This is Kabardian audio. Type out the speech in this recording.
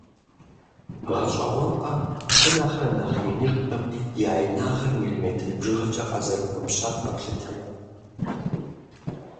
ГъэщӀэгъуэнкъэ, абы нэхърэ нэхъ иныжхэм я инагъыр милиметр бжыгъэкӀэ къазэрыхуэпщар къэплъытэмэ?!